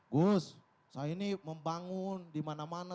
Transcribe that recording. gus saya ini membangun dimana mana